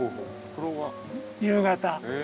夕方。